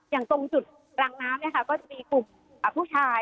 อย่างตรงจุดรังน้ำก็จะมีกลุ่มผู้ชาย